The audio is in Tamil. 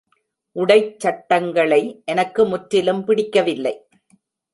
உடைச் சட்டங்களை எனக்கு முற்றிலும் பிடிக்கவில்லை.